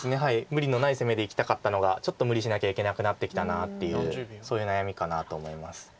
無理のない攻めでいきたかったのがちょっと無理しなきゃいけなくなってきたなっていうそういう悩みかなと思います。